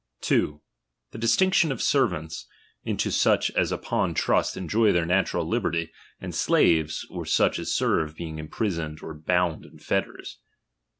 2. The disliDction of ser vants, into such as upon trust enjoy their natural liberty, aod slaves, or such as serve being imprisoned or bound in fetters.